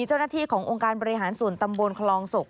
เจ้าหน้าที่ขององค์การบริหารส่วนตำบลคลองศก